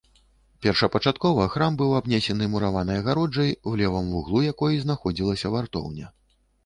Першапачаткова храм быў абнесены мураванай агароджай, у левым вуглу якой знаходзілася вартоўня.